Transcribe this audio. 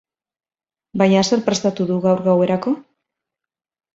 Baina zer prestatu du gaur gauerako?